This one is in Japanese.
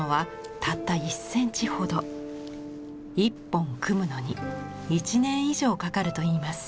１本組むのに１年以上かかるといいます。